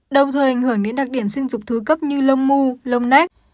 đồng thời ảnh hưởng đến đặc điểm sinh dục thứ cấp như lông mù lông nách